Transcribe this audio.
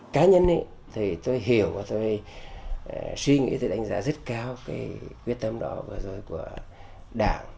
cá nhân thì tôi hiểu và tôi suy nghĩ tôi đánh giá rất cao cái quyết tâm đó vừa rồi của đảng